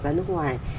ra nước ngoài